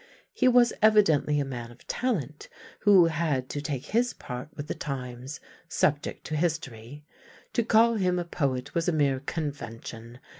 He was evidently a man of talent who had to take his part with the times, subject to history. To call him a poet was a mere convention.